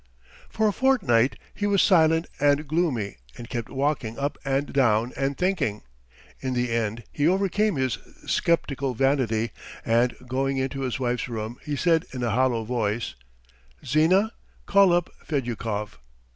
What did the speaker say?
For a fortnight he was silent and gloomy and kept walking up and down and thinking. In the end he overcame his sceptical vanity, and going into his wife's room he said in a hollow voice: "Zina, call up Fedyukov!"